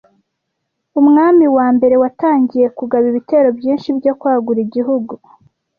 umwami wa mbere watangiye kugaba ibitero byinshi byo kwagura igihugu